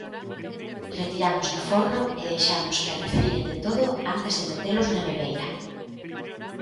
Retiramos do forno e deixamos que arrefríen de todo antes de metelos na neveira.